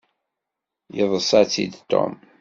Yeḍṣa-tt-id Tom.